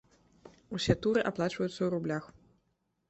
Усе туры аплачваюцца ў рублях.